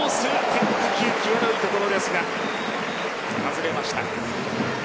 変化球、際どいところですが外れました。